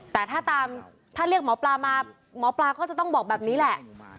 แต่ถ้าตามถ้าเรียกหมอปลามาหมอปลาก็จะต้องบอกแบบนี้แหละ